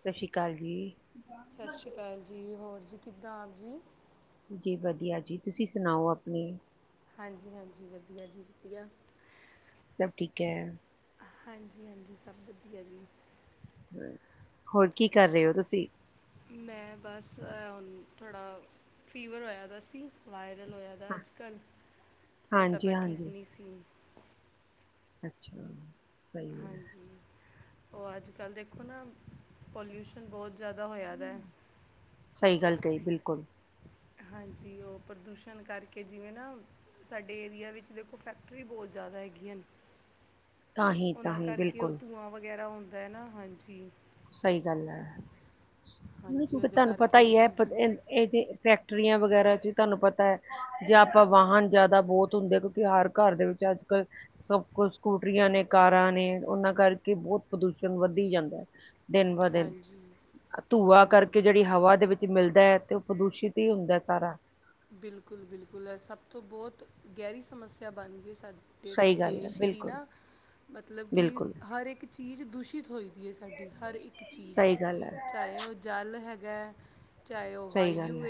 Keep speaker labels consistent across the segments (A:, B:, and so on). A: ਸਤਿ ਸ੍ਰੀ ਅਕਾਲ ਜੀ।
B: ਸਤਿ ਸ਼੍ਰੀ ਅਕਾਲ ਜੀ ਹੋਰ ਜੀ ਕਿੱਦਾਂ ਆਪ ਜੀ?
A: ਜੀ ਵਧੀਆ ਜੀ ਤੁਸੀਂ ਸੁਣਾਓ ਆਪਣੇ?
B: ਹਾਂਜੀ ਹਾਂਜੀ ਵਧੀਆ ਜੀ ਵਧੀਆ
A: ਸਭ ਠੀਕ ਐ
B: ਹਾਂਜੀ ਹਾਂਜੀ ਸਭ ਵਧੀਆ ਜੀ
A: ਹ ਹੋਰ ਕੀ ਕਰ ਰਹੇ ਹੋ ਤੁਸੀਂ?
B: ਮੈਂ ਬਸ ਹੁਣ ਥੋੜ੍ਹਾ ਫੀਵਰ ਹੋਇਆ ਤਾਂ ਸੀ ਵਾਇਰਲ ਹੋਇਆ ਪਰ
A: ਹਾਂ,
B: ਅੱਜ ਕੱਲ੍ਹ ਮੇਰੀ
A: ਹਾਂਜੀ
B: ਤਬੀਅਤ ਠੀਕ
A: ਹਾਂਜੀ,
B: ਨਹੀਂ ਸੀ।
A: ਅੱਛਾ। ਸਹੀ ਹੈ,
B: ਹਾਂਜੀ ਉਹ ਅੱਜ ਕੱਲ੍ਹ ਦੇਖੋ ਨਾ ਪੋਲਿਊਸ਼ਨ ਬਹੁਤ ਜ਼ਿਆਦਾ ਹੋਇਆ ਦਾ।
A: ਸਹੀ ਗੱਲ ਕਹੀ ਬਿਲਕੁਲ।
B: ਹਾਂਜੀ ਉਹ ਪ੍ਰਦੂਸ਼ਣ ਕਰਕੇ ਜਿਵੇਂ ਨਾ ਸਾਡੇ ਏਰੀਆ ਵਿੱਚ ਦੇਖੋ ਫੈਕਟਰੀ ਬਹੁਤ ਜ਼ਿਆਦਾ ਹੈਗੀਆਂ ਹਨ
A: [unintelligible] ਤਾਂ
B: ਉਹ
A: ਹੀ
B: ਕਰਕੇ ਉਹ
A: ਬਿਲਕੁਲ
B: ਧੂੰਆਂ ਵਗੈਰਾ ਹੁੰਦਾ ਹੈ ਨਾ ਹਾਂਜੀ।
A: ਸਹੀ ਗੱਲ ਐ।
B: ਹਾਂਜੀ
A: ਕਿਉਂਕਿ
B: ਉਹਦੇ
A: ਤੁਹਾਨੂੰ ਪਤਾ
B: ਕਰਕੇ
A: ਈ ਐ
B: ਵੀ ਜਿਵੇਂ
A: ਇਹ ਜ ਫੈਕਟਰੀਆਂ ਵਗੈਰਾ ਚ ਤੁਹਾਨੂੰ ਪਤਾ ਹੈ ਜੇ ਆਪਾਂ ਵਾਹਨ ਜ਼ਿਆਦਾ ਬਹੁਤ ਹੁੰਦੇ ਕਿਉਂਕਿ ਹਰ ਘਰ ਦੇ ਵਿੱਚ ਅੱਜ ਕੱਲ ਸਭ ਕੁ ਸਕੂਟਰੀਆਂ ਨੇ ਕਾਰਾਂ ਨੇ ਉਹਨਾਂ ਕਰਕੇ ਬਹੁਤ ਪ੍ਰਦੂਸ਼ਣ ਵੱਧੀ ਜਾਂਦਾ ਏ ਦਿਨ ਬ ਦਿਨ
B: ਹਾਂਜੀ
A: ਧੂੰਆ ਕਰਕੇ ਜਿਹੜੀ ਹਵਾ ਦੇ ਵਿੱਚ ਮਿਲਦਾ ਹੈ, ਤੇ ਉਹ ਪ੍ਰਦੂਸ਼ਿਤ ਹੀ ਹੁੰਦਾ ਸਾਰਾ
B: ਬਿਲਕੁਲ- ਬਿਲਕੁਲ, ਏ ਸਭ ਤੋਂ ਬਹੁਤ, ਗਹਿਰੀ ਸਮੱਸਿਆ ਬਣ ਗਈ ਸਾਡੀ
A: ਸਹੀ ਗੱਲ ਹੈ
B: ਦੇਸ਼ ਦੀ
A: ਬਿਲਕੁਲ
B: ਨਾ, ਮਤਲਬ ਕਿ
A: ਬਿਲਕੁਲ
B: ਹਰ ਇੱਕ ਚੀਜ਼ ਦੂਸ਼ਿਤ ਹੋ ਦੀ ਹੈ ਸਾਡੀ, ਹਰ ਇੱਕ ਚੀਜ਼
A: ਸਹੀ ਗੱਲ ਹੈ
B: ਚਾਹੇ ਉਹ ਜਲ ਹੈਗਾ, ਚਾਹੇ ਉਹ
A: ਸਹੀ ਗੱਲ
B: ਵਾਯੂ
A: ਹੈ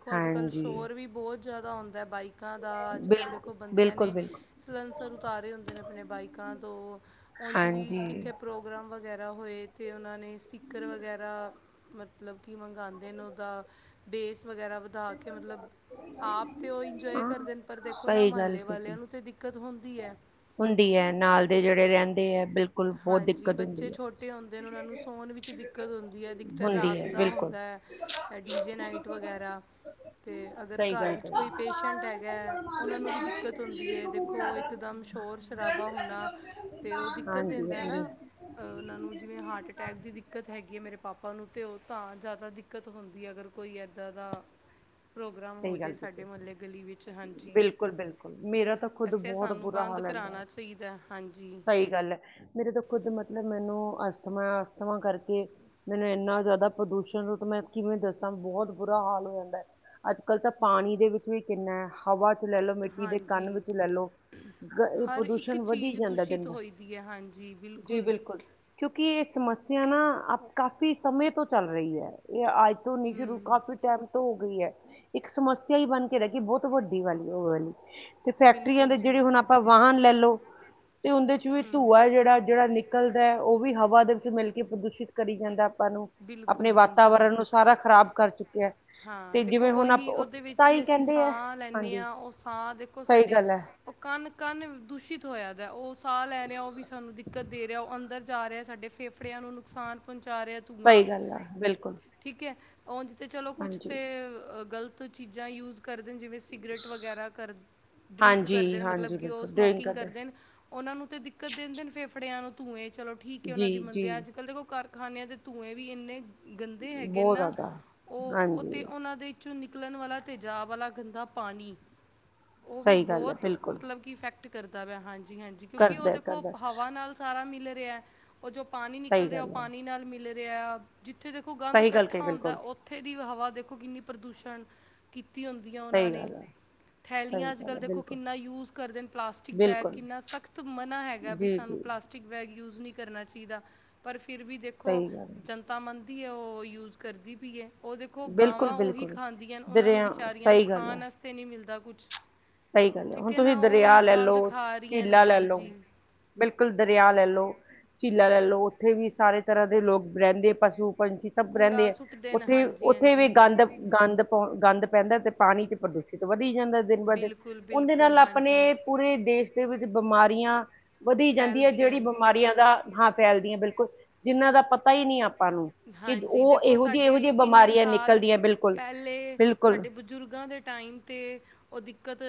B: ਦੇਖੋ ਅੱਜ ਕੱਲ੍ਹ
A: ਹਾਂਜੀ
B: ਸ਼ੋਰ ਵੀ ਬਹੁਤ ਜ਼ਿਆਦਾ ਆਉਂਦਾ ਬਾਈਕਾਂ ਦਾ, ਅੱਜ ਕੱਲ੍ਹ
A: ਬਿਲਕੁਲ
B: ਦੇਖੋ ਬੰਦਿਆਂ
A: ਬਿਲਕੁਲ
B: ਨੇ
A: ਬਿਲਕੁਲ
B: ਸਰੰਸਰ ਉਤਾਰੇ ਹੁੰਦੇ ਨੇ ਆਪਣੇ ਬਾਈਕਾਂ ਤੋਂ, ਉਂਝ ਵੀ
A: ਹਾਂਜੀ
B: ਕਿੱਥੇ ਪ੍ਰੋ ਪ੍ਰੋਗਰਾਮ ਵਗੈਰਾ ਹੋਏ ਤੇ, ਉਹਨਾਂ ਨੇ ਸਪੀਕਰ ਵਗੈਰਾ, ਮਤਲਬ ਕਿ ਮੰਗਵਾਉਂਦੇ ਨੇ ਉਹਦਾ ਬੇਸ ਵਗੈਰਾ ਦਾ ਕੇ ਮਤਲਬ ਆਪ ਤਾਂ ਉਹ ਇੰਜੋਏ
A: ਹਾਂ
B: ਕਰਦੇ ਨੇ, ਪਰ ਦੇਖੋ ਨਾ
A: ਸਹੀ ਗੱਲ
B: ਮੁਹੱਲੇ
A: ਸਹੀ ਗੱਲ
B: ਵਾਲਿਆਂ ਨੂੰ ਤਾਂ ਦਿੱਕਤ ਹੁੰਦੀ ਹੈ।
A: ਹੁੰਦੀ ਹੈ, ਨਾਲ ਦੇ ਜਿਹੜੇ ਰਹਿੰਦੇ ਹੈ ਬਿਲਕੁਲ ਬਹੁਤ
B: ਹਾਂਜੀ,
A: ਦਿੱਕਤ
B: ਬੱਚੇ
A: ਹੁੰਦੀ ਹੈ
B: ਛੋਟੇ ਹੁੰਦੇ ਨੇ ਉਹਨਾਂ ਨੂੰ ਸੌਣ ਵਿੱਚ ਦਿੱਕਤ ਹੁੰਦੀ ਹੈ, ਦਿੱਕਤ
A: ਹੁੰਦੀ
B: ਰਾਤ
A: ਹੈ
B: ਦਾ
A: ਬਿਲਕੁਲ
B: ਹੁੰਦਾ ਹੈ। ਡੀ ਜੇ ਨਾਈਟ ਵਗੈਰਾ ਤੇ ਅਗਰ
A: ਸਹੀ
B: ਘਰ
A: ਗੱਲ
B: ਵਿੱਚ
A: ਕਹੀ
B: ਕੋਈ ਪੇਸ਼ੈਂਟ ਹੈਗਾ, ਉਹਨਾਂ ਨੂੰ ਵੀ ਦਿੱਕਤ ਹੁੰਦੀ ਹੈ, ਦੇਖੋ ਇੱਕਦਮ ਸ਼ੋਰ ਸ਼ਰਾਬਾ ਹੋਣਾ ਤੇ ਉਹ ਦਿੱਕਤ
A: ਹਾਂਜੀ
B: ਦਿੰਦਾ
A: ਹਾਂਜੀ
B: ਨਾ ਉਹਨਾਂ ਨੂੰ ਜਿਵੇਂ ਹਾਰਟ ਅਟੈਕ ਦੀ ਦਿੱਕਤ ਹੈਗੀ ਹੈ, ਮੇਰੇ ਪਾਪਾ ਨੂੰ ਤੇ ਉਹ ਤਾਂ ਜ਼ਿਆਦਾ ਦਿੱਕਤ ਹੁੰਦੀ, ਅਗਰ ਕੋਈ ਇੱਦਾਂ ਦਾ ਪ੍ਰੋਗਰਾਮ ਹੋ
A: ਸਹੀ
B: ਜੇ
A: ਗੱਲ ਕੀਤੀ
B: ਸਾਡੇ ਮਹੱਲੇ ਗਲੀ ਵਿੱਚ ਹਾਂਜੀ,
A: ਬਿਲਕੁਲ ਬਿਲਕੁਲ ਮੇਰਾ ਤਾਂ ਖੁਦ
B: ਵੈਸੇ
A: ਬਹੁਤ
B: ਸਾਨੂੰ
A: ਬੁਰਾ
B: ਬੰਦ
A: ਹਾਲ ਰਹਿੰਦਾ ਹੈ
B: ਕਰਾਉਣਾ ਚਾਹੀਦਾ, ਹਾਂਜੀ
A: ਸਹੀ ਗੱਲ ਮੇਰੇ ਤੋਂ ਖੁੱਦ ਮਤਲਬ, ਮੈਨੂੰ ਅਸਥਮਾ, ਅਸਥਮਾ ਕਰਕੇ ਮੈਨੂੰ ਇੰਨਾ ਜ਼ਿਆਦਾ ਪ੍ਰਦੂਸ਼ਣ ਨੂੰ, ਮੈਂ ਕਿਵੇਂ ਦੱਸਾਂ ਬਹੁਤ ਬੁਰਾ ਹਾਲ ਹੋ ਜਾਂਦਾ ਏ ਅੱਜ ਕੱਲ ਤਾਂ ਪਾਣੀ ਦੇ ਵਿੱਚ ਵੀ ਕਿੰਨਾ ਹੈ, ਹਵਾ 'ਚ ਲੈ ਲਓ, ਮਿੱਟੀ ਦੇ ਕੰਨ
B: ਹਾਂਜੀ
A: ਵਿੱਚ ਲੈ ਲਓ ਇਹ
B: ਹਰ ਇੱਕ
A: ਪ੍ਰਦੂਸ਼ਣ ਵਧੀ
B: ਚੀਜ਼
A: ਜਾਂਦਾ ਦਿਨ
B: ਦੂਸ਼ਿਤ
A: ਦਾ,
B: ਹੋਈ ਦੀ ਹੈ ਹਾਂਜੀ
A: ਜੀ ਬਿਲਕੁਲ ਕਿਉਂਕਿ ਇਹ ਸਮੱਸਿਆ ਨਾ, ਅ ਕਾਫੀ ਸਮੇਂ ਤੋਂ ਚੱਲ ਰਹੀ ਹੈ, ਇਹ ਅੱਜ ਧੋਨੀ
B: ਹੂੰ
A: ਸ਼ੁਰੂ, ਕਾਫ਼ੀ ਟਾਈਮ ਤੋਂ ਹੋ ਗਈ ਹੈ। ਇੱਕ ਸਮੱਸਿਆ ਹੀ ਬਣ ਕੇ ਰਹਿ ਗਈ ਬਹੁਤ ਵੱਡੀ ਵਾਲੀ ਉਹ ਵਾਲੀ, ਤੇ ਫੈਕਟਰੀਆਂ
B: ਬਿਲਕੁਲ
A: ਦੇ
B: ਜੀ
A: ਜਿਹੜੇ ਹੁਣ ਆਪਾਂ ਵਾਹਨ ਲੈ ਲਓ, ਤੇ ਉਹਦੇ 'ਚ ਵੀ ਧੂੰਆ ਜਿਹੜਾ, ਜਿਹੜਾ ਨ ਨਿਕਲਦਾ, ਉਹ ਵੀ ਹਵਾ ਦੇ ਵਿੱਚ ਮਿਲ ਕੇ ਪ੍ਰਦੂਸ਼ਿਤ ਕਰੀ ਜਾਂਦਾ ਆਪਾਂ ਨੂੰ, ਆਪਣੇ
B: ਬਿਲਕੁਲ ਹਾਂਜੀ
A: ਵਾਤਾਵਰਨ ਨੂੰ ਸਾਰਾ ਖਰਾਬ ਕਰ ਚੁੱਕਿਆ
B: ਹਾਂ,
A: ਤੇ
B: ਦੇਖੋ
A: ਜਿਵੇਂ ਹੁਣ ਆਪ
B: ਉਹੀ,
A: ਉਹ-
B: ਉਹਦੇ
A: ਤਾਂ
B: ਵਿੱਚ ਹੀ ਅਸੀਂ
A: ਕਹਿੰਦੇ ਆ
B: ਸਾਹ ਲੈਂਦੇ
A: ਹਾਂਜੀ
B: ਹਾਂ ਉਹ ਸਾਹ ਦੇਖੋ
A: ਸਹੀ
B: ਸਾਡੇ
A: ਗੱਲ ਹੈ
B: ਉਹ ਕਣ-ਕਣ ਦੂਸ਼ਿਤ ਹੋਇਆ, ਦਾ ਉਹ ਸਾਹ ਲੈ ਰਿਹਾ ਉਹ ਵੀ ਸਾਨੂੰ ਦਿੱਕਤ ਦੇ ਰਿਹਾ, ਉਹ ਅੰਦਰ ਜਾ ਰਿਹਾ, ਸਾਡੇ ਫੇਫੜਿਆਂ ਨੂੰ ਨੁਕਸਾਨ ਪਹੁੰਚਾ ਰਿਹਾ
A: ਸਹੀ
B: ਧੂੰਆਂ
A: ਗੱਲ ਆ, ਬਿਲਕੁਲ
B: ਠੀਕ ਹੈ, ਉੰਝ ਚਲੋ ਕੁਛ
A: ਹਾਂਜੀ
B: ਤੇ, ਗਲਤ ਚੀਜ਼ਾਂ ਯੂਜ ਕਰਦੇ ਜਿਵੇਂ ਸਿਗਰਟ ਵਗੈਰਾ ਕਰ, ਡ੍ਰਿੰਕ
A: ਹਾਂਜੀ
B: ਕਰਦੇ ਨੇ
A: ਹਾਂਜੀ
B: ਮਤਲਬ ਕਿ ਉਹ
A: ਬਿਲਕੁਲ ਡਰਿੰਕ
B: ਸਮੋਕਿੰਗ ਕਰਦੇ ਨੇ ਉਹਨਾਂ ਨੂੰ ਤਾਂ ਦਿੱਕਤ ਦਿੰਦੇ ਨੇ ਫੇਫੜਿਆਂ ਨੂੰ ਧੂੰਏ ਚਲੋ ਠੀਕ
A: ਜੀ
B: ਉਹਨਾਂ ਦੀ
A: ਜੀ
B: ਮੰਨਦੇ ਆ ਅੱਜ ਕੱਲ੍ਹ ਦੇਖੋ ਕਰ ਖਾਨਿਆਂ ਦੇ ਧੂੰਏ ਵੀ ਇੰਨੇ ਗੰਦੇ ਹੈਗੇ
A: ਬਹੁਤ
B: ਨਾ,
A: ਜ਼ਿਆਦਾ
B: ਉਹ
A: ਹਾਂਜੀ
B: ਉਹਨਾ ਦੇ ਵਿੱਚੋਂ ਨਿਕਲਣ ਵਾਲਾ ਤੇਜਾਬ ਵਾਲਾ ਗੰਦਾ ਪਾਣੀ ਉਹ ਵੀ
A: ਸਹੀ ਗੱਲ ਹੈ
B: ਬਹੁਤ,
A: ਬਿਲਕੁਲ
B: ਮਤਲਬ ਕਿ ਇਫੈਕਟ ਕਰਦਾ ਵਾ, ਹਾਂਜੀ -ਹਾਂਜੀ, ਕਿਉਂਕਿ ਉਹ
A: ਕਰਦਾ
B: ਦੇਖੋ,
A: ਕਰਦਾ
B: ਹਵਾ ਨਾਲ ਸਾਰਾ ਮਿਲ ਰਿਹਾ, ਉਹ ਜੋ ਪਾਣੀ
A: ਸਹੀ
B: ਨਿਕਲ ਰਿਹਾ, ਉਹ
A: ਗੱਲ ਹੈ
B: ਪਾਣੀ ਨਾਲ ਮਿਲ ਰਿਹਾ। ਜਿੱਥੇ ਦੇਖੋ ਗੰਦ
A: ਸਹੀ ਗੱਲ ਕਹੀ
B: ਇਕੱਠਾ ਹੁੰਦਾ,
A: ਬਿਲਕੁਲ
B: ਉੱਥੇ ਦੀ ਹਵਾ ਦੇਖੋ ਕਿੰਨੀ ਪ੍ਰਦੂਸ਼ਣ, ਕੀਤੀ ਹੁੰਦੀ ਵਧੀਆ ਉਹਨਾਂ
A: ਸਹੀ
B: ਨੇ
A: ਗੱਲ ਹੈ ਸਹੀ
B: ਥੈਲੀਆਂ ਅੱਜ
A: ਗੱਲ
B: ਕੱਲ੍ਹ
A: ਹੈ
B: ਦੇਖੋ
A: ਬਿਲਕੁਲ
B: ਕਿੰਨਾ ਯੂਜ ਕਰਦੇ ਨੇ ਪਲਾਸਟਿਕ ਬੈਗ
A: ਬਿਲਕੁਲ
B: ਕਿੰਨਾ ਸਖ਼ਤ ਮਨਾਂ ਹੈਗਾ ਵੀ
A: ਜੀ
B: ਸਾਨੂੰ
A: ਜੀ
B: ਪਲਾਸਟਿਕ ਪਲਾਸਟਿਕ ਬੈਗ ਯੂਜ ਨਹੀ ਕਰਨਾ ਚਾਹੀਦਾ, ਫਿਰ ਵੀ ਦੇਖੋ
A: ਸਹੀ ਗੱਲ ਹੈ
B: ਤਾਂ ਮੰਨਦੀ ਹੈ, ਉਹ ਯੂਜ ਕਰਦੀ ਵੀ ਹੈ ਉਹ ਦੇਖੋ
A: ਬਿਲਕੁਲ
B: ਗਾਵਾਂ ਉਹੀ
A: ਬਿਲਕੁਲ
B: ਖਾਂਦੀਆਂ ਹਨ, ਉਹਨਾਂ ਨੂੰ
A: ਦਰਿਆ
B: ਵਿਚਾਰੀਆਂ ਨੂੰ
A: ਸਹੀ
B: ਖਾਣ ਵਾਸਤੇ ਨਹੀਂ ਮਿਲਦਾ ਕੁਛ।
A: ਸਈ ਗੱਲ ਐ। ਹੁਣ ਤੁਸੀਂ ਦਰਿਆ ਲੈ ਲਓ,
B: ਰਹੀਆਂ ਨੇ
A: ਝੀਲਾ ਲੈ ਲੋ
B: ਹਾਂਜੀ
A: ਬਿਲਕੁਲ ਦਰਿਆ ਲੈ ਲਓ ਝੀਲਾ ਲੈ ਲਓ ਉੱਥੇ ਵੀ ਸਾਰੇ ਤਰ੍ਹਾਂ ਦੇ ਲੋਕ ਰਹਿੰਦੇ, ਪਸੂ ਪੰਛੀ ਸਭ ਰਹਿੰਦੇ
B: ਕੂੜਾ
A: ਆ
B: ਸੁੱਟਦੇ ਨੇ
A: ਉੱਥੇ
B: ਹਾਂਜੀ
A: ਉੱਥੇ ਵੀ
B: ਹਾਂਜੀ
A: ਗੰਦ ਗੰਦ ਪੋ ਗੰਦ ਪੈਂਦਾ ਤੇ ਪਾਣੀ ਤੇ ਪ੍ਰਦੂਸ਼ਿਤ ਵਧੀ ਜਾਦਾ ਦਿਨ ਬ ਦਿਨ-
B: ਬਿਲਕੁਲ
A: ਉਦੇ
B: ਬਿਲਕੁਲ
A: ਨਾਲ ਆਪਣੇ
B: ਹਾਂਜੀ
A: ਪੂਰੇ ਦੇਸ਼ ਦੇ ਵਿੱਚ ਬਿਮਾਰੀਆਂ ਵਧੀ ਜਾਂਦੀ ਐ
B: ਫੈਲਦੀਆਂ
A: ਜੇੜੀ
B: ਨੇ
A: ਬਿਮਾਰੀਆਂ ਦਾ ਹਾਂ ਫੈਲਦੀ ਐ ਬਿਲਕੁਲ ਜਿੰਨਾਂ ਦਾ ਪਤਾ ਈ ਨਈ ਆਪਾਂ ਨੂੰ। ਕਿ
B: ਹਾਂਜੀ
A: ਉਹ
B: ਦੇਖੋ
A: ਇਹੋ ਜਿਹੀ
B: ਸਾਡੇ
A: ਇਹੋ ਜਿਹੀਆਂ
B: ਐਈਓ ਕਿਨੇ
A: ਬਿਮਾਰੀਆਂ
B: ਸਾਲ
A: ਨਿਕਲਦੀਆਂ ਬਿਲਕੁਲ
B: ਪਹਿਲੇ
A: ਬਿਲਕੁਲ
B: ਸਾਡੇ ਬਜ਼ੁਰਗਾਂ ਦੇ ਟਾਈਮ- ਤੇ ਓ ਦਿੱਕਤ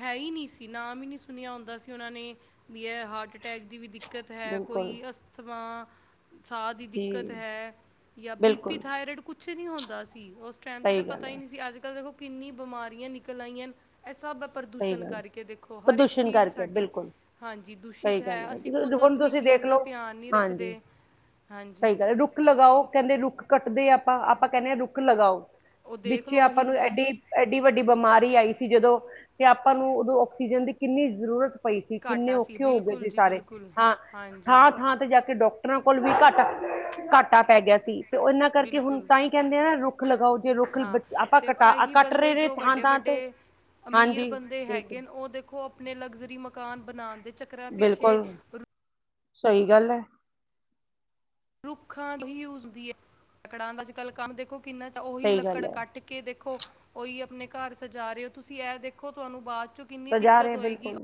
B: ਹੈ ਈ ਨੀ ਸੀ ਨਾਮ ਈ ਨਈ ਸੁਣਿਆ ਹੁੰਦਾ ਸੀ ਉਹਨਾਂ ਨੇ- ਵੀ ਐ ਹਾਰਟ ਅਟੈਕ ਦੀ ਵੀ ਦਿੱ ਕਤ ਹੈ।
A: ਬਿਲਕੁਲ
B: ਕੋਈ ਅਸਥਮਾ ਸਾਹ ਦੀ
A: ਜੀ
B: ਦਿੱਕਤ ਹੈ। ਜਾਂ ਬੀ ਪੀ
A: ਬਿਲਕੁਲ
B: ਥਾਇਰਇਡ ਕੁਛ ਨੀ ਹੁੰਦਾ ਸੀ ਉਸ ਟਾਈਮ ਤੇ ਤਾਂ
A: ਸਹੀ ਗੱਲ
B: ਪਤਾ ਈ
A: ਹੈ,
B: ਨਈ ਸੀ, ਅੱਜ ਕੱਲ ਦੇਖੋ ਕਿੰਨੀ ਬਿਮਾਰੀਆਂ ਨਿਕਲ ਆਈਆਂ ਐਹ ਸ
A: ਸਹੀ
B: ਪ੍ਰਦੂਸ਼ਣ
A: ਗੱਲ ਹੈ,
B: ਕਰਕੇ ਦੇਖੋ ਹਰ ਇਕ
A: ਪ੍ਰਦੂਸ਼ਣ
B: ਚੀਜ
A: ਕਰਕੇ
B: ਸਾਡੀ-
A: ਬਿਲਕੁਲ
B: ਹਾਂਜੀ
A: ਸਹੀ
B: ਦੂਸ਼ਿਤ
A: ਗੱਲ
B: ਹੈ। ਅਸੀ ਖੁਦ
A: ਹੁਣ
B: ਆਪਣੀ
A: ਤੁਸੀਂ
B: ਚੀਜ
A: ਦੇਖ
B: ਦਾ
A: ਲਓ
B: ਧਿਆਨ ਨੀ ਰੱਖਦੇ। ਹਾਂਜੀ
A: ਖ ਲਗਾਓ ਕਹਿੰਦੇ ਰੁੱਖ ਕੱਟਦੇ ਆਪਾਂ, ਆਪਾਂ ਕੈਨੇ ਆ ਰੁੱਖ ਲਗਾਓ
B: ਉਹ ਦੇਖ
A: ਵਿੱਚੇ
B: ਲਓ
A: ਆਪਾਂ ਨੂੰ
B: ਉਹੀ
A: ਐਡੀ ਐਡੀ ਵੱਡੀ ਬਿਮਾਰੀ ਆਈ ਸੀ ਜਦੋਂ ਤੇ ਆਪਾਂ ਨੂੰ ਉਦੋਂ ਆਕਸੀਜਨ ਦੀ ਕਿੰਨੀ ਜ਼ਰੂਰਤ ਪਈ ਸੀ ਕਿਨੇ
B: ਘਾਟਾ ਸੀ
A: ਔਖੇ ਹੋ ਗਏ
B: ਬਿਲਕੁਲ
A: ਸੀ
B: ਜੀ
A: ਸਾਰੇ
B: ਬਿਲਕੁਲ
A: ਹਾਂ
B: ਹਾਂਜੀ
A: ਥਾਂ-ਥਾਂ ਤੇ ਜਾ ਕੇ ਡਾਕ ਟਰਾ ਕੋਲ ਵੀ ਘਾਟਾ ਘਾਟਾ ਪੈ ਗਿਆ ਸੀ ਤੇ ਓਨਾਂ ਕਰਕੇ ਹੁਣ
B: ਬਿਲਕੁਲ
A: ਤਾਂ ਈ ਕਹਿਦੇ ਆ ਨਾ ਰੁੱਖ ਖ ਲਗਾਓ ਜੇ ਰੁੱਖ
B: ਹਾਂ
A: ਆਪਾਂ
B: ਤੇ
A: ਕਟਾ
B: ਇਹੀ
A: ਕੱਟ
B: ਬੰਦੇ
A: ਰਏ ਨੇ
B: ਜੋ
A: ਥਾਂ
B: ਵੱਡੇ
A: ਥਾਂ ਤੇ
B: ਵੱਡੇ ਅਮੀਰ
A: ਹਾਂਜੀ
B: ਬੰਦੇ
A: ਬਿਲਕੁਲ
B: ਹੈਗੇ ਓ ਦੇਖੋ ਆਪਣੇ ਲਗਜ਼ਰੀ ਮਕਾਨ ਬਣਾਣ ਦੇ ਚ
A: ਬਿਲਕੁਲ ਸਈ ਗੱਲ ਐ
B: ਰੁੱਖਾਂ ਹੀ ਯੂਸਜ਼ ਹੁੰਦੀ ਐ। ਕੜਾਂ ਦਾ ਅਜ ਕਲ ਕਮ ਦੇਖੋ ਕਿਨਾ 'ਚ ਉਹੀ
A: ਸਹੀ ਗੱਲ
B: ਲੱਕੜ
A: ਹੈ
B: ਕੱਟ ਕੇ ਦੇਖੋ ਉਈ ਆਪਣੇ ਘਰ ਸਜਾ ਰੇ ਓ ਤੁਸੀਂ ਐ ਦੇਖੋ ਤੁਹਾਨੂੰ ਬਾਅਦ ਚ
A: ਸਜਾ ਰਏ ਬਿਲਕੁਲ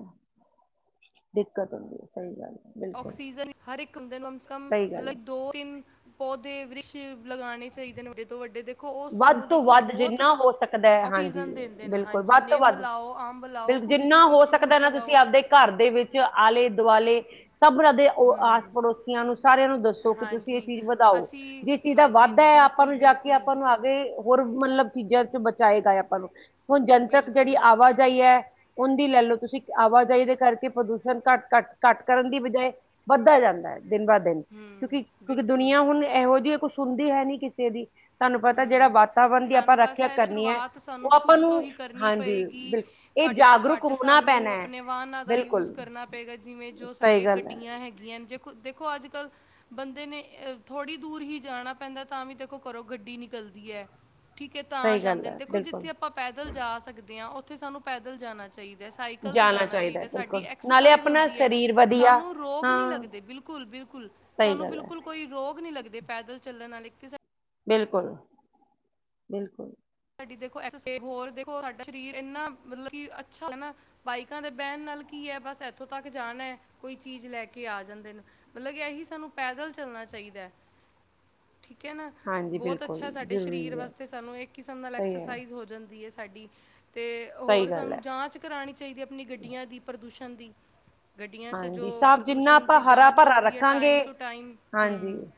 A: ਦਿੱਕਤ ਹੁੰਦੀ ਐ ਸਈ ਗੱਲ ਐ ਬ
B: ਆਕਸੀਜਨ ਹਰ ਇਕ ਬੁੰਦੇ ਨੂੰ ਕਮ ਸੇ ਕਮ
A: ਗੱਲ ਹੈ
B: ਮਤਲਬ ਦੋ ਤਿੰਨ ਪੌਦੇ ਵ੍ਰਸ਼ ਲਗਾਣੇ ਚਾਈਦੇ ਨੇ ਵੱਡੇ ਤੋਂ ਵੱਡੇ ਦੇ ਖੋ ਉਹ
A: ਵੱਧ
B: ਸਾਨੂੰ
A: ਤੋਂ
B: ਦੇਖੋ
A: ਵੱਧ
B: ਬਹੁਤ
A: ਜਿੰਨਾ ਹੋ ਸਕਦਾ ਹੈ ਹਾਂਜੀ
B: ਆਕਸੀਜਨ ਦਿਦੇ ਨੇ
A: ਬਿਲਕੁਲ
B: ਹਾਂਜੀ
A: ਵੱਧ ਤੋਂ
B: ਨਿਮ
A: ਵੱਧ
B: ਲਾਓ, ਅੰਬ ਲਾਓ
A: ਬਿਲ
B: ਕੁਛ ਵੀ
A: ਜਿੰਨਾ
B: ਕੋਈ
A: ਹੋ ਸਕਦਾ
B: ਫਰੂਟ
A: ਨਾ ਤੁਸੀਂ
B: ਲਗਾਓ
A: ਆਪਦੇ ਘਰ ਦੇ ਵਿੱਚ ਆਲੇ ਦੁਆਲੇ ਸਭ ਨਾਂ ਦੇ ਓ ਆਸ
B: ਹੂੰ
A: ਪੜੋਸੀਆਂ ਨੂੰ ਸਾਰਿਆਂ ਨੂੰ ਦੱਸੋ ਕਿ ਤੁਸੀ ਇਹ
B: ਹਾਂਜੀ
A: ਚੀਜ ਵਧਾਓ
B: ਅਸੀਂ
A: ਜੇ ਚੀਜ ਦਾ
B: ਹਾਂਜੀ
A: ਵਾਧਾ
B: ਹਾਂਜੀ
A: ਹੈ। ਆਪਾਂ
B: ਬਿਲਕੁਲ
A: ਨੂੰ ਜਾ ਕੇ,
B: ਬਿਲਕੁਲ
A: ਆਪਾਂ ਨੂੰ ਆਗੇ ਹੋਰ ਮਤਲਬ ਚੀਜਾ ਚ ਬਚਾਏਗਾ ਐ ਆਪਾਂ ਨੂੰ- ਹੁਣ ਜਨਤਕ ਜੇੜੀ
B: ਬਿਲਕੁਲ
A: ਆਵਾਜਾਈ ਐ। ਉਦੀ ਲੈ ਲਓ ਤੁਸੀਂ ਆਵਾਜਾਈ ਦੇ ਕਰਕੇ ਪ੍ਰਦੂਸ਼ਣ ਘੱਟ, ਘੱਟ, ਘੱਟ ਕਰਨ ਦੀ ਬਜਾਏ ਵੱਧਦਾ ਜਾਂਦਾ ਐ ਦਿਨ ਬਦ ਦਿਨ
B: ਹੂੰ
A: ਕਿਉਂਕਿ, ਕਿਉਂਕਿ
B: ਬਿਲਕੁਲ
A: ਦੁਨੀਆਂ ਹੁਣ ਏਹੋ ਜਿਹੀ ਕੁਛ ਹੁੰਦੀ ਹੈ ਨੀ ਕਿਸੇ ਦੀ ਤੁਹਾਨੂੰ ਪਤਾ ਜਿਹੜਾ
B: ਹੂੰ
A: ਵਾਤਾਵਰਨ ਦੀ ਆਪਾਂ
B: ਸਾਨੂੰ ਬਸ
A: ਰੱਖਿਆ
B: ਐ
A: ਕਰਨੀ ਹੈ
B: ਸ਼ੁਰੂਆਤ
A: ਉਹ
B: ਸਾਨੂੰ
A: ਆਪਾਂ
B: ਖੁਦ ਤੋਂ
A: ਨੂੰ
B: ਹੀ ਕਰਨੀ
A: ਹਾਂਜੀ
B: ਪਏਗੀ।
A: ਬਿਲਕੁਲ ਇਹ
B: ਘੱਟ ਤੋਂ
A: ਜਾਗਰੂਕ
B: ਘੱਟ
A: ਹੋਣਾ
B: ਸਾਨੂੰ
A: ਪੈਣਾ ਹੈ
B: ਆਪਣੇ ਵਾਹਨਾਂ ਦਾ ਯੂਜ
A: ਬਿਲਕੁਲ
B: ਕਰਨਾ ਪਏਗਾ ਜਿਵੇ ਜੋ
A: ਸਹੀ
B: ਸਾਡੇ
A: ਗੱਲ ਹੈ
B: ਗੱਡੀਆਂ ਹੈਗੀਆਂ ਜ ਦੇਖੋ ਅੱਜ ਕੱਲ੍ਹ ਬੰਦੇ ਨੇ ਅ ਥੋੜ੍ਹੀ ਦੂਰ ਹੀ ਜਾਣਾ ਪੈਂਦਾ ਤਾਂ ਵੀ ਦੇਖੋ ਘਰੋ ਗੱਡੀ ਨਿਕਲਦੀ ਐ। ਠੀਕ ਐ ਤਾਂ
A: ਸਹੀ ਗੱਲ
B: ਜਾਂਦੇ ਨੇ,
A: ਹੈ
B: ਦੇਖੋ ਜਿੱਥੇ
A: ਬਿਲਕੁਲ
B: ਆਪਾਂ ਪੈਦਲ ਜਾ ਸਕਦੇ ਆ ਉਥੇ ਸਾਨੂੰ ਪੈਦਲ ਜਾਣਾ। ਚਾਈਦਾ ਸਾਈਕਲ ਤੇ ਜਾਣਾ
A: ਚਾਹੀਦਾ ਹੈ,
B: ਚਾਈਦਾ ਸਾਡੀ
A: ਬਿਲਕੁਲ ਨਾਲੇ
B: ਐਕਸਰਸਾਈਜ਼
A: ਆਪਣਾ
B: ਹੁੰਦੀ ਐ
A: ਸਰੀਰ ਵਧੀਆ
B: ਸਾਨੂੰ ਰੋਗ ਨੀ
A: ਹਾਂ
B: ਲੱਗਦੇ ਬਿਲਕੁਲ ਬਿਲ ਕੁਲ
A: ਸਹੀ
B: ਸਾਨੂੰ
A: ਗੱਲ ਹੈ
B: ਬਿਲਕੁਲ ਕੋਈ ਰੋਗ ਨੀ ਲੱਗਦੇ ਪੈਦਲ ਚੱਲਣ ਵਾਲੇ ਕਿਸੇ
A: ਬਿਲਕੁਲ ਬਿਲਕੁਲ
B: ਸਾਡੀ ਦੇਖੋ ਐਸਸੇ ਹੋਰ ਦੇਖੋ ਸਾਡਾ ਸਰੀਰ ਇਨਾ ਮਤਲਬ ਕਿ ਅਛਾ [inaudible] ਬਾਈਕਾਂ ਤੇ ਬੈਣ ਨਾਲ ਕੀ ਐ ਬਸ ਇੱਥੋਂ ਤੱਕ ਜਾਣਾ ਐ ਕੋਈ ਚੀਜ ਲੈ ਕੇ ਆ ਜਾਂਦੇ ਨੇ ਮਤਲਬ ਕਿ ਇਹੀ ਸਾਨੂੰ ਪੈਦਲ ਚੱਲਣਾ ਚਾਈਦਾ ਐ
A: [inaudible]
B: ਠੀਕ ਐ ਨਾ
A: ਹਾਂਜੀ
B: ਬਹੁਤ
A: ਬਿਲਕੁਲ
B: ਅਛਾ ਸਾਡੇ ਸਰੀਰ
A: ਜ਼ਰੂਰੀ ਹੈ
B: ਵਾਸਤੇ ਸਾਨੂੰ ਇਕ ਕਿਸਮ ਨਾਲ
A: ਸਹੀ ਹੈ
B: ਐਕਸਰਸਾਈਜ਼। ਹੋ ਜਂਦੀ ਏ ਸਾਡੀ, ਤੇ
A: ਸਹੀ
B: ਹੋਰ
A: ਗੱਲ ਹੈ
B: ਸਾਨੂੰ ਜਾਂਚ ਕਰਾਣੀ ਚਾਈਦੀ ਏ ਅਪਨੀ ਗੱਡੀਆਂ ਦੀ, ਪ੍ਰਦੂਸ਼ਣ ਦੀ। ਗੱਡੀਆਂ ਚ ਜੋ
A: ਹਾਂਜੀ ਸਭ ਜਿੰਨਾ
B: ਪ੍ਰਦੂਸ਼ਣ
A: ਆਪਾਂ
B: ਦੀ
A: ਹਰਾ
B: ਜਾਂਚ
A: ਭਰਾ
B: ਓਂਦੀ ਐ,
A: ਰੱਖਾਂਗੇ
B: ਟਾਈਮ ਤੂ ਟਾਈਮ,
A: ਹਾਂਜੀ
B: ਹੂੰ।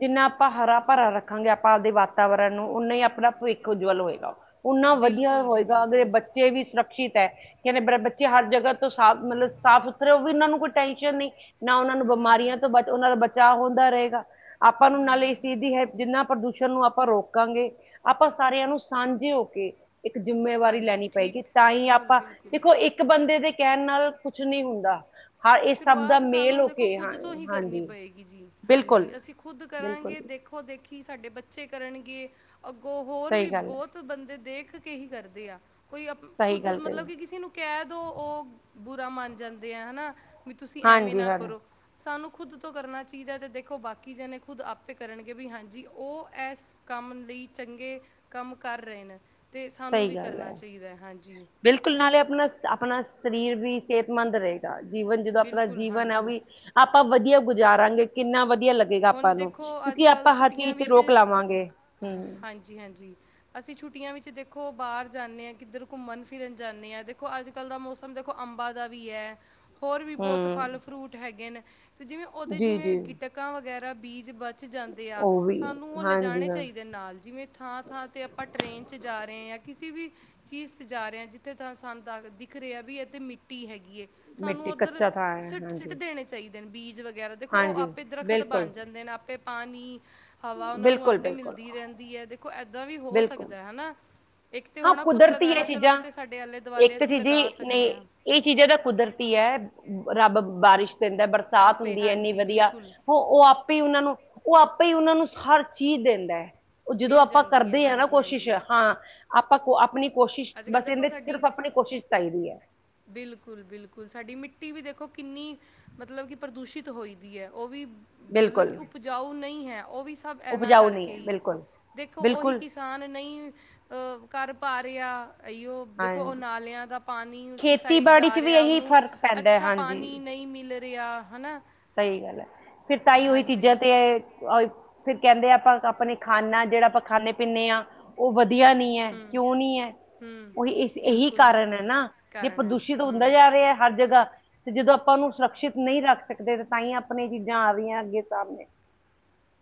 A: ਜਿੰਨਾ ਅਪਾਂ ਹਰਾ-ਪਰਾ ਰੱਖਾਂਗੇ ਆਪਾਂ ਆਵਦੇ ਵਾਤਾਵਰਨ ਨੂੰ, ਉਨਾ ਈ ਅਪਣਾ ਪਵਿੱਖ ਉਜਵਲ ਹੋਏਗਾ। ਉਨਾ ਵਦਿਆ
B: ਬਿਲਕੁਲ ਜੀ
A: ਹੋਏਗਾ ਆਵ ਦੇ
B: ਬਿਲਕੁਲ
A: ਬੱਚੇ ਬੱਚੇ ਵੀ ਸੁਰੱਕਸ਼ਇਤ ਐ, ਕੈਨਦੇ [unintelligible] ਬੱਚੇ ਹਰ ਜਗ੍ਹਾ ਤੋਂ ਸਾਫ਼ ਮਤਲਬ ਸਾਫ਼ ਫੇਰ ਓਵੀ ਓਨਾਂ ਨੂੰ ਕੋਈ ਟੈਂਨਸ਼ਨ ਨਈ, ਨਾ ਓਨਾਂ ਨੂੰ
B: ਹਾਂ
A: ਬਮਾਰੀਆਂ ਤੋਂ ਬ ਓਨਾ ਦਾ ਬਚਾ ਹੁੰਦਾ ਰਹੇਗਾ ਅਪਾਂ ਨੂੰ ਨਾਲ ਇਸ ਚੀਜ਼ ਦੀ ਹੈ ਜਿੰਨਾ ਪ੍ਰਦੂਸ਼ਣ ਨੂੰ ਆਪ ਅਪਾਂ ਰੋਕਾਂਗੇ, ਅਪਾਂ ਸਾਰੇਆਂ ਨੂੰ ਸਾਂਝੇ ਓ ਕੇ ਇੱਕ ਜਿਮੇਵਾਰੀ
B: ਹਾਂਜੀ
A: ਲੈਨੀ
B: ਠੀਕ
A: ਪਏਗੀ ਤਾਂ ਈ
B: ਬਿਲਕੁਲ
A: ਅਪਾਂ,
B: ਬਿਲਕੁਲ
A: ਦੇਖੋ ਇੱਕ ਇਕ ਬੰਦੇ ਦੇ ਕੈਨ ਨਾਲ, ਕੁੱਛ ਨੀ ਹੁੰਦਾ ਹਾਂ ਇਹ ਸਭ ਦਾ
B: ਸ਼ੁਰੂਆਤ
A: ਮੇਲ
B: ਸਾਨੂੰ
A: ਹੋ
B: ਦੇਖੋ
A: ਕੇ ਹਾਂ
B: ਖੁਦ ਤੋ ਹੀ ਕਰਨੀ
A: ਹਾਂਜੀ
B: ਪਏਗੀ ਜੀ,
A: ਬਿਲਕੁਲ
B: ਹਾਂਜੀ ਅਸੀ ਖੁਦ
A: ਬਿਲਕੁਲ
B: ਕਰਾਂਗੇ ਦੇਖੋ ਖੋਂ ਦੇਖੀ ਸਾਡੇ ਬੱਚੇ ਕਰਨਗੇ, ਅਗੋਂ ਹੋਰ ਵੀ
A: ਸਹੀ ਗੱਲ ਹੈ
B: ਬੋਤ- ਤ ਬੰਦੇ ਦੇਖ ਕੇ ਹੀ ਕਰਦੇ ਆ। ਕੋਈ ਅਪ
A: ਸਹੀ
B: ਖੁਦ
A: ਗੱਲ
B: ਮਤਲਬ
A: ਕਹੀ
B: ਕਿ ਕਿਸੇ ਨੂੰ ਕੈ ਦੋ, ਓ ਬੁਰਾ ਮੰਨ ਜਾਂਦੇ ਆ ਹਨਾ ਵੀ ਤੁਸੀ ਐਵੇਂ
A: ਹਾਂਜੀ
B: ਨਾ
A: ਹਾਂ
B: ਕਰੋ ਸਾਨੂੰ ਖੁਦ ਤੋਂ ਕਰਨਾ ਚੀਦੈ, ਤੇ ਦੇਖੋ ਬਾਕੀ ਜਨੇ ਖੁਦ ਆਪੇ ਕਰਨਗੇ ਵੀ ਹਾਂਜੀ ਓ ਐਸ ਕਾਮ ਲਈ ਚੰਗੇ ਕਮ ਕਰ ਰਏ ਨੇ, ਤੇ ਸਾਨੂੰ
A: ਸਹੀ
B: ਵੀ
A: ਗੱਲ
B: ਕਰਨਾ
A: ਹੈ
B: ਚਾਈਦੈ, ਹਾਂਜੀ।
A: ਬਿਲਕੁਲ ਨਾਲੇ ਅਪਨਾ-ਅਪਨਾ ਸਰੀਰ ਵੀ ਸੇਹਤਮੰਦ ਰਏ। ਜੀਵਨ ਜਦੋਂ ਅਪਨਾ
B: ਬਿਲਕੁਲ
A: ਜੀਵਨ ਐ,
B: ਹਾਂਜੀ
A: ਓਵੀ ਆਪਾਂ ਵਦਿਆ ਗੁਜ਼ਾਰਾਂਗੇ ਕਿੰਨਾ ਵਦਿਆ ਲੱਗ ਗੇਗਾ
B: ਹੁਣ
A: ਅਪਾਂ ਨੂੰ,
B: ਦੇਖੋ ਅੱਜ
A: ਕਿਯੋਂਕਿ‌
B: ਕੱਲ
A: ਅਪਾਂ ਹਰ
B: ਛੁੱਟੀਆਂ
A: ਚੀਜ਼ ਤੇ ਰੋਕ ਲਾਵਾਂਗੇ, ਹੂੰ।
B: ਜੀ ਹਾਂਜੀ, ਅਸੀ ਛੁੱਟੀਆਂ ਵਿਚ ਦੇਖੋ ਬਾਰ ਜਾਨੇ ਆ ਕਿਦਰ ਘੁੰਮਨ-ਫਿਰਨ ਜਾਂਨੇ ਆ ਦੇਖੋ ਆੱਜ ਜ ਕਾੱਲ ਦਾ ਮੌਸਮ ਦੇਖੋ ਅੰਬਾਂ ਦਾ ਵੀ ਐ ਹੋਰ ਵੀ ਬੋਤ
A: ਹਮ
B: ਫਲ-ਫਰੂਟ ਹੈਗੇ ਨੇ, ਤੇ ਜਿਵੇ ਓਦੇ
A: ਜੀ
B: ਜਿਵੇ
A: ਜੀ
B: ਗਿਟਕਾਂ ਵਗੈਰਾ ਬੀਜ ਬਚ ਚ ਜਾਂਦੇ ਆ,
A: ਉਹ ਵੀ
B: ਸਾਨੂੰ ਓ
A: ਹਾਂਜੀ
B: ਲੇਜਾਣੇ
A: ਹਾਂ
B: ਚਾਈਦੇ ਨਾਲ ਜਿਵੇਂ ਥਾਂ-ਥਾਂ ਤੇ ਅਪਾਂ ਟ੍ਰਰੇਨ ਚ ਜਾ ਰਏ ਆ, ਕਿਸੀ ਵੀ ਚੀਸ ਜਾ ਰਏ ਆ ਜਿੱਥੇ ਤਾਂ ਸਾਨ ਦਿਖ ਰੇਐ ਵੀ ਐਤੇ ਮਿੱਟੀ ਹੈਗੀ ਏ। ਸਾਨੂੰ
A: ਮਿੱਟੀ
B: ਓਦਰ
A: ਕੱਚਾ ਥਾਂ ਹੈ
B: ਸਿੱਟ, ਸਿੱਟ
A: ਹਾਂਜੀ
B: ਦੇਣੇ ਚਾਈਦੇ ਨੇ ਬੀਜ ਵਗੈਰਾ
A: ਹਾਂਜੀ।
B: ਦਰਖ਼ਤ
A: ਬਿਲਕੁਲ
B: ਬਨ ਜਾਂਦੇ ਨੇ ਆਪੇ ਪਾਨੀ, ਹਵਾ ਓਨਾਂ ਨੂੰ
A: ਬਿਲਕੁਲ
B: ਆਪੇ
A: ਬਿਲਕੁਲ
B: ਮਿਲਦੀ ਰੈਂਦੀ ਐ। ਦੇਖੋ ਏਦਾਂ ਵੀ ਹੋ
A: ਬਿਲਕੁਲ
B: ਸਕਦੈ, ਹਨਾ। ਇਕ ਤੇ
A: ਹਾਂ
B: ਹੋਣਾ ਖੁੱਦ
A: ਕੁਦਰਤੀ ਹੈ
B: ਲਗਾਣਾ ਚਲੋ ਓ
A: ਚੀਜ਼ਾਂ
B: ਤੇ ਸਾਡੇ ਆਲੇ- ਦੁਆਲੇ ਅਸੀਂ ਲਗਾ ਸਗਨੇ ਆ
A: ਏ ਚੀਜਾ ਦਾ ਕੁਦਰਤੀ ਐ, ਰੱਬ ਬਾਰਿਸ਼ ਦਿੰਦੈ ਬਰਸਾਤ
B: ਆਪੇ
A: ਹੁੰਦੀ ਐ ਇਨੀ
B: ਹਾਂਜੀ
A: ਵਦਿਆ,
B: ਬਿਲਕੁਲ
A: ਹੋ ਓ ਆਪੇ ਈ ਓਨਾਂ ਨੂੰ, ਓ ਆਪੇ ਈ ਓਨਾਂ ਨੂੰ ਹਰ ਚੀਜ਼ ਦਿੰਦੈ। ਓ ਜਦੋਂ
B: ਮਿਲ
A: ਆਪਾਂ
B: ਜਾਂਦੀ ਹੈ
A: ਕਰਦੇ ਆ ਨਾ
B: ਹਾਂਜੀ
A: ਕੋਸ਼ਿਸ਼,
B: ਹਾਂਜੀ
A: ਹਾਂ ਅਪਾਂ ਕੋ ਆਪਣੀ ਕੋਸ਼ਿਸ਼,
B: ਅੱਜ ਕੱਲ
A: ਬੱਸ ਇਂਦੇ ਚ ਸਿਰਫ਼ ਅਪਣੀ ਕੋਸ਼ਿਸ਼ ਚਾਈਦੀ ਐ।
B: ਬਿਲਕੁਲ-ਬਿਲਕੁਲ, ਸਾਡੀ ਮਿੱਟੀ ਵੀ ਦੇਖੋ ਕਿੰਨੀ ਮਤਲਬ ਕਿ ਪ੍ਰਦੂਸ਼ਿਤ ਹੋਈ ਦੀ ਐ, ਓ ਵੀ ਮਤਲਬ ਕਿ
A: ਬਿਲਕੁਲ
B: ਉਪਜਾਊ ਨਈ ਹੈ, ਓ ਵੀ ਸਭ ਐਨਾ
A: ਉਪਜਾਊ ਨਹੀਂ
B: ਕਾਰਕੇ
A: ਹੈ
B: ਈ,
A: ਬਿਲਕੁਲ
B: ਦੇਖੋ ਓਹੀ ਕਿਸੇ
A: ਬਿਲਕੁਲ
B: ਕਿਸਾਨ ਨਈ, ਅ ਕਾਰ ਪਾ ਰੇਆ ਅਯੋ ਦੇਖੋ ਓ
A: ਹਾਂਜੀ
B: ਨਾਲੇਆਂ ਦਾ ਪਾਨੀ ਉਸੀ ਸਾਈਡ
A: ਖੇਤੀਬਾੜੀ 'ਚ
B: ਜਾ
A: ਵੀ
B: ਰੇਆ,
A: ਇਹੀ
B: ਓਨੂੰ
A: ਫਰਕ ਪੈਂਦਾ ਹੈ
B: ਅਛਾ ਪਾਨੀ ਨਈ ਮਿਲ ਲੇਆ, ਹਨਾ।
A: ਸਈ ਗਾੱਲ ਐ, ਫੇਰ ਤਾਈ ਓਈ
B: ਹਾਂਜੀ
A: ਚੀਜਾ ਤੇ ਫੇਰ ਕੈਂਦੇ ਅਪਾਂ ਅਪਨੇ ਖਾਨਾ ਜੜਾ ਅਪਾਂ ਖਾਨੇ-ਪੀਨੇ ਆ, ਓ ਵਦਿਆ ਨੀ ਐ,
B: ਹੂੰ
A: ਕਯੋਂ ਨੀ ਐ।
B: ਹੂੰ
A: ਓਹੀ ਇਸ ਏਹੀ
B: ਬਿਲਕੁਲ
A: ਕਾਰਨ ਐ ਨਾ, ਜੇ
B: ਕਾਰਨ ਹੈ
A: ਪ੍ਰਦੂਸ਼ਿਤ ਹੁੰਦਾ
B: ਹੂੰ
A: ਜਾ ਰੇ ਹੈ ਹਰ ਜਗ੍ਹਾ ਤੇ ਜਦੋਂ ਅਪਾਂ ਓਨੂੰ ਸ਼ੁਰਕਛਿਤ ਨਈ ਰੱਖ ਸਕਦੇ, ਤਾਂ ਈ ਅਪਨੀਆਂ ਚੀਜਾ ਆ ਰੇਆਂ ਅੱਗੇ ਸਾਮਨੇ।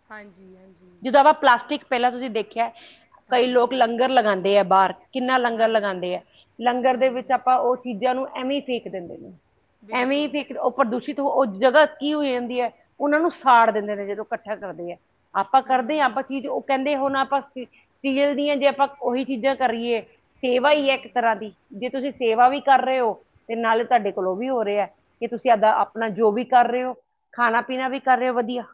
B: ਹਾਂਜੀ-ਹਾਂਜੀ।
A: ਪਲਾਸਟਿਕ ਪੈਲਾਂ ਤੁਸੀ ਦੇਖੇਐ, ਕਈ ਲੋਕ
B: ਹਾਂਜੀ
A: ਲੰਗਰ ਲਗਾਨਦੇ ਐ ਬਾਰ ਕਿੰਨਾ ਲੰਗਰ
B: ਹਾਂਜੀ
A: ਲਗਾਦੇ ਐ। ਲੰਗਰ ਦੇ ਵਿਚ
B: ਹੂੰ
A: ਆਪਾਂ ਉਹ ਚੀਜਾ ਨੂੰ ਐਵੇਂ ਫੇਕ ਦਿੰਦੇ ਨੇ ਐਵੇਂ
B: ਬਿਲਕੁਲ
A: ਫਿਕਰ ਓ ਪ੍ਰਦੂਸ਼ਿਤ ਹੋ ਉਹ ਜਗਹਾ ਕੀ ਹੋ ਜਾਂਦੀ ਹੈ, ਉਹਨਾਂ ਨੂੰ ਸਾੜ ਦਿੰਦੇ ਨੇ ਜਦੋਂ ਕੱਠਾ ਕਰਦੇ ਆ। ਆਪਾਂ
B: ਹੂੰ
A: ਕਰਦੇ ਆ, ਆਪਾਂ ਕਿਨੂੰ ਉਹ ਕਹਿੰਦੇ ਹੁਣ ਆਪਾਂ ਸੀਐਲ ਦੀਆਂ ਜੇ ਆਪਾਂ ਉਹੀ ਚੀਜ਼ਾਂ ਕਰੀਏ। ਸੇਵਾ ਈ ਐ ਇੱਕ ਤਰਾਂ ਦੀ। ਜੇ ਤੁਸੀ ਸੇਵਾ ਵੀ ਕਰ ਰਹੇ ਓ। ਤੇ ਨਾਲੇ ਤੁਹਾਡੇ ਕੋਲੋਂ ਓ ਵੀ ਹੋ, ਰਿਹਾਐ ਕੀ ਤੁਸੀਂ ਇੱਦਾਂ ਆਪਣਾ ਜੋ ਵੀ ਕਰ ਰੇ ਓ ਖਾਣਾ-ਪੀਣਾ ਵੀ ਕਰ ਰਹੇ ਔ ਵਧੀਆ।